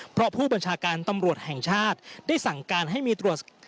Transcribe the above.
เพราะผู้บัญชาการตำรวจแห่งชาติได้สั่งการให้มีตรวจ